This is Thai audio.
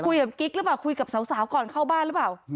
กิ๊กหรือเปล่าคุยกับสาวก่อนเข้าบ้านหรือเปล่า